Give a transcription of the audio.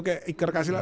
kayak iker casillas